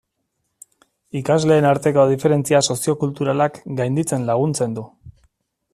Ikasleen arteko diferentzia soziokulturalak gainditzen laguntzen du.